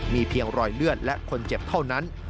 มีเพียงรอยเลือดและคนเจ็บเท่านั้น